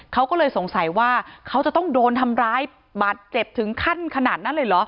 เขาก็เลยสงสัยว่าเขาจะต้องโดนทำร้ายบาดเจ็บถึงขั้นขนาดนั้นเลยเหรอ